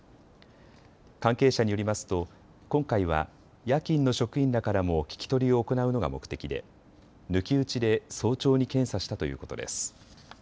関係者によりますと今回は夜勤の職員らからも聞き取りを行うのが目的で抜き打ちで早朝に検査したということです。